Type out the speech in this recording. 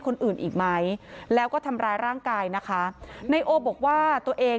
คนอื่นอีกไหมแล้วก็ทำร้ายร่างกายนะคะนายโอบอกว่าตัวเอง